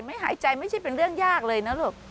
ไม่หายใจไม่ใช่เป็นเรื่องยากเลยนะลูก